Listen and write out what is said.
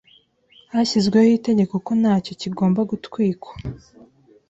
hashyizweho itegeko ko nacyo kigomba gutwikwa